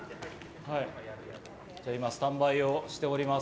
今スタンバイをしております。